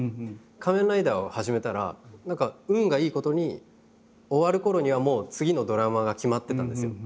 「仮面ライダー」を始めたら何か運がいいことに終わるころにはもう次のドラマが決まってたんですよ。